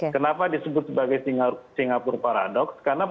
kenapa disebut sebagai singapura paradoks